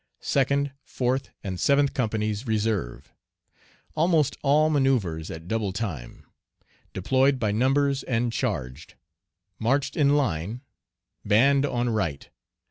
Second, fourth, and seventh companies reserve. Almost all manoeuvres at double time. Deployed by numbers and charged. Marched in in line, band on right.